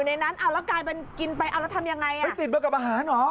นี่ติดเหมือนกับอาหารเหรอ